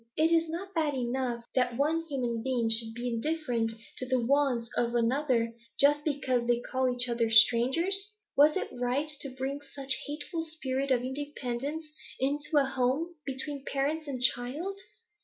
Is it not bad enough that one human being should be indifferent to the wants of another, just because they call each other strangers? Was it right to bring such a hateful spirit of independence into a home, between parents and child?